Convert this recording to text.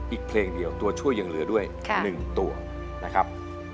อีกเพลงเดียวตัวช่วยยังเหลือด้วย๑ตัวนะครับ